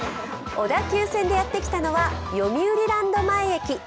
小田急線でやってきたのは読売ランド前駅。